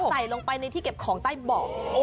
ใส่ลงไปในที่เก็บของใต้เบาะ